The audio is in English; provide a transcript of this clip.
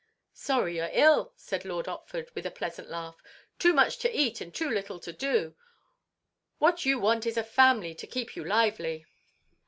"Sorry you're ill," said Lord Otford, with a pleasant laugh. "Too much to eat, and too little to do. What you want is a family to keep you lively!"